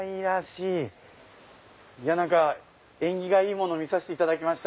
いや縁起がいいもの見させていただきました。